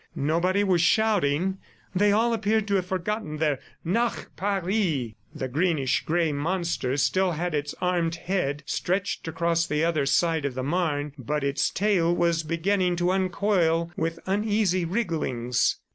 Nobody was shouting; they all appeared to have forgotten their "Nach Paris!" The greenish gray monster still had its armed head stretched across the other side of the Marne, but its tail was beginning to uncoil with uneasy wrigglings.